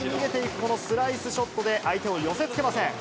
このスライスショットで、相手を寄せつけません。